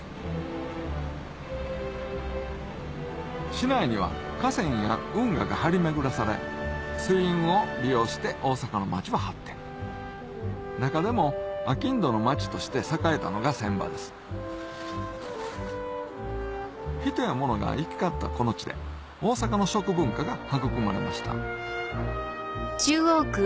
市内には河川や運河が張り巡らされ水運を利用して大阪の町は発展中でも商人の町として栄えたのが船場です人や物が行き交ったこの地で大阪の食文化が育まれました